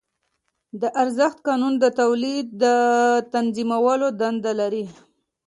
د ارزښت قانون د تولید تنظیمولو دنده لري